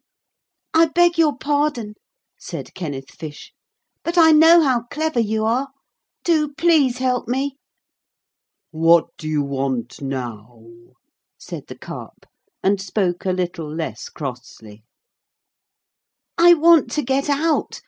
'I beg your pardon,' said Kenneth Fish, 'but I know how clever you are. Do please help me.' 'What do you want now?' said the Carp, and spoke a little less crossly. 'I want to get out.